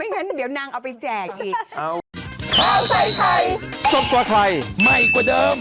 ไม่งั้นเดี๋ยวนางเอาไปแจกอีก